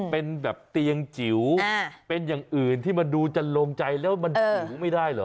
เป็นแบบเตียงจิ๋วเป็นอย่างอื่นที่มันดูจะลงใจแล้วมันสูงไม่ได้เหรอ